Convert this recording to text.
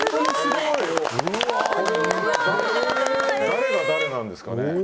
誰が誰なんですかね。